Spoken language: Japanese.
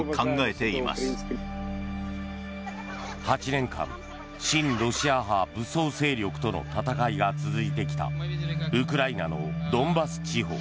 ８年間親ロシア派武装勢力との戦いが続いてきたウクライナのドンバス地方。